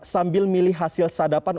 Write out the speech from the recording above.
sambil milih hasil sadapan